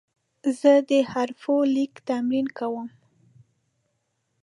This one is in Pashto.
زه د حروفو لیک تمرین کوم.